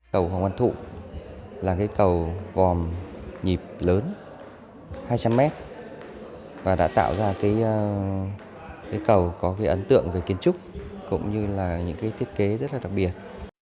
cầu hoàng văn thụ là cầu gòm nhịp lớn hai trăm linh m và đã tạo ra cầu có ấn tượng về kiến trúc cũng như thiết kế rất đặc biệt